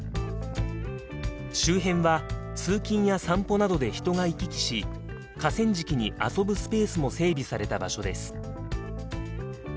周辺は通勤や散歩などで人が行き来し河川敷に遊ぶスペースも整備された場所です。